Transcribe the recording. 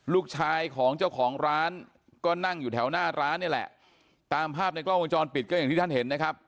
ลูกชายของเจ้าของร้านก็นั่งอยู่แถวหน้าร้านนี่แหละตามภาพในกล้องวงจรปิดก็อย่างที่ท่านเห็นนะครับ